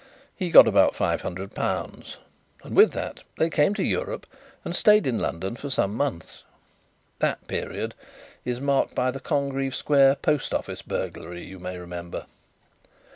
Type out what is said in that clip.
He got about five hundred pounds, and with that they came to Europe and stayed in London for some months. That period is marked by the Congreave Square post office burglary, you may remember.